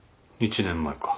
１年前か。